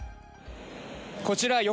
こちら